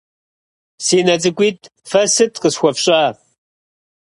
- Си нэ цӏыкӏуитӏ, фэ сыт къысхуэфщӏа?